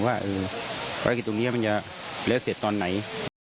ว่าภารกิจตรงนี้มันจะแล้วเสร็จตอนไหน